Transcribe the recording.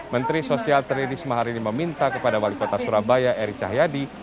menteri sosial tririsma hari ini meminta kepada wali kota surabaya erick cahyadi